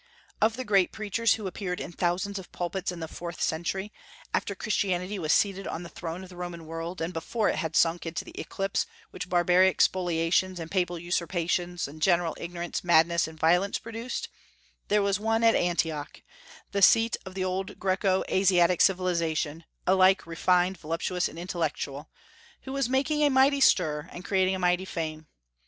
Of the great preachers who appeared in thousands of pulpits in the fourth century, after Christianity was seated on the throne of the Roman world, and before it had sunk into the eclipse which barbaric spoliations and papal usurpations, and general ignorance, madness, and violence produced, there was one at Antioch (the seat of the old Greco Asiatic civilization, alike refined, voluptuous, and intellectual) who was making a mighty stir and creating a mighty fame.